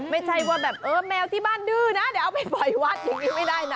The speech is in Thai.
ไม่ใช่ว่าแบบเออแมวที่บ้านดื้อนะเดี๋ยวเอาไปปล่อยวัดอย่างนี้ไม่ได้นะ